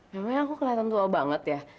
memang aku kelihatan tua banget ya